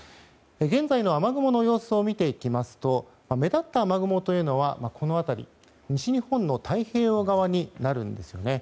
現在の雨雲の様子を見ていきますと目立った雨雲というのは西日本の太平洋側になるんです。